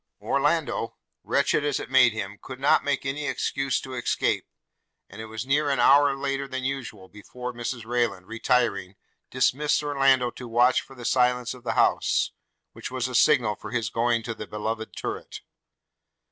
Orlando, wretched as it made him, could not make any excuse to escape; and it was near an hour later than usual, before Mrs Rayland, retiring, dismissed Orlando to watch for the silence of the house, which was a signal for his going to the beloved turret.